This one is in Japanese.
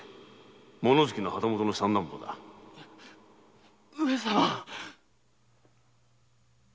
物好きな旗本の三男坊だ〕上様！